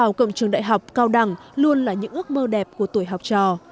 một cộng trường đại học cao đẳng luôn là những ước mơ đẹp của tuổi học trò